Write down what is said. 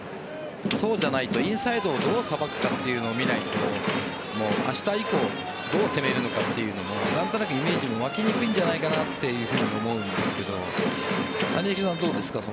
そうじゃないとインサイドをどうさばくかというのを見ないと明日以降どう攻めるのかというのも何となくイメージ湧きにくいんじゃないかなと思うんですけど谷繁さんはどうですか？